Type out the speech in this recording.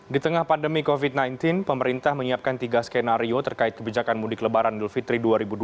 di tengah pandemi covid sembilan belas pemerintah menyiapkan tiga skenario terkait kebijakan mudik lebaran dulfitri dua ribu dua puluh